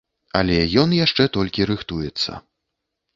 Але ён яшчэ толькі рыхтуецца.